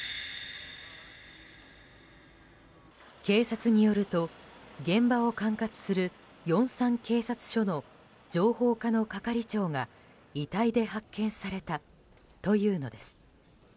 警察によると、現場を管轄するヨンサン警察署の情報課の係長が遺体で発見されたというのです。